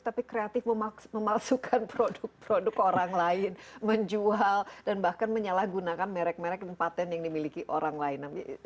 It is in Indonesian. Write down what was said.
tapi kreatif memalsukan produk produk orang lain menjual dan bahkan menyalahgunakan merek merek dan patent yang dimiliki orang lain